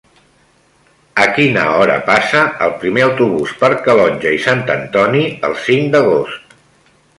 A quina hora passa el primer autobús per Calonge i Sant Antoni el cinc d'agost?